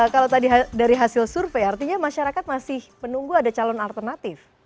kalau tadi dari hasil survei artinya masyarakat masih menunggu ada calon alternatif